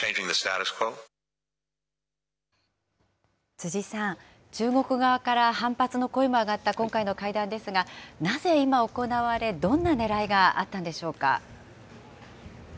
辻さん、中国側から反発の声も上がった今回の会談ですが、なぜ今、行われ、どんなねらいがあったんでしょうか。